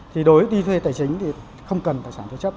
thì đối với đi thuê tài chính thì không cần tài sản thế chấp